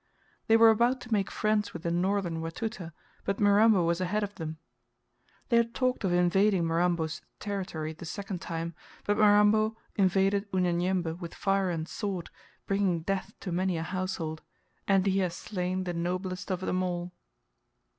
They were about to make friends with the northern Watuta, but Mirambo was ahead of them. They had talked of invading Mirambo's territory the second time, but Mirambo invaded Unyanyembe with fire and sword, bringing death to many a household, and he has slain the noblest of them all.